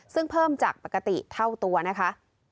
ซึ่งเพิ่มจากปกติเท่าตัวนะคะ